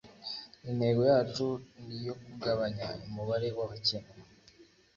intego yacu ni iyo kugabanya umubare w'abakene